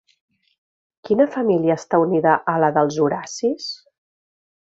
Quina família està unida a la dels Horacis?